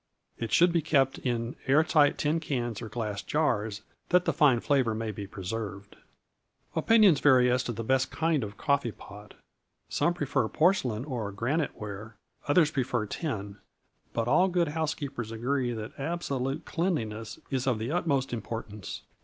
It should be kept in air tight tin cans or glass jars, that the fine flavor may be preserved. Opinions vary as to the best kind of coffee pot. Some prefer porcelain or granite ware, others prefer tin, but all good housekeepers agree that absolute cleanliness is of the utmost importance.